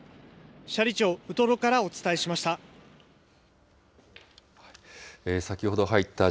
斜里町ウトロからお伝えしました。